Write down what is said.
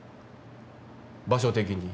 場所的に。